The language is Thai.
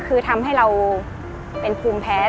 คือทำให้เราเป็นภูมิแพ้